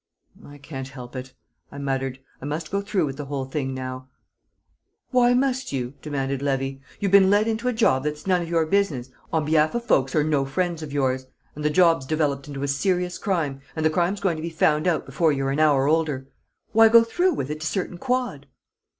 "I can't help it," I muttered. "I must go through with the whole thing now." "Why must you?" demanded Levy. "You've been led into a job that's none of your business, on be'alf of folks who're no friends of yours, and the job's developed into a serious crime, and the crime's going to be found out before you're an hour older. Why go through with it to certain quod?"